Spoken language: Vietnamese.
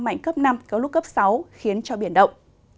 mạnh cấp năm có lúc cấp sáu khiến cho biển động